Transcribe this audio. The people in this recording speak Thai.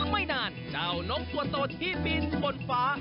ไม่นานเจ้านกตัวโตที่บินบนฟ้า